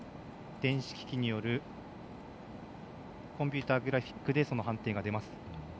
電子機器によるコンピューターグラフィックスでその判定が出ます。